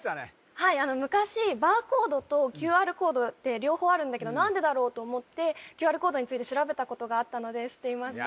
はい昔バーコードとＱＲコードって両方あるんだけど何でだろうと思ってＱＲコードについて調べたことがあったので知っていました